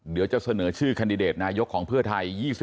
เดี๋ยวจะเสนอชื่อแคนดิเดตนายกของเพื่อไทย